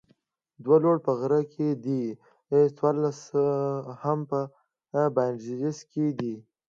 دوه لوړ په غره کې دي، څلور اوس هم په باینسیزا کې دي.